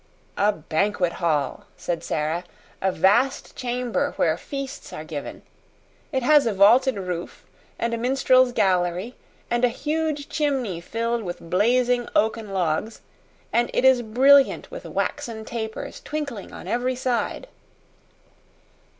"A banquet hall," said Sara. "A vast chamber where feasts are given. It has a vaulted roof, and a minstrels' gallery, and a huge chimney filled with blazing oaken logs, and it is brilliant with waxen tapers twinkling on every side."